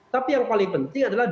tapi yang paling penting adalah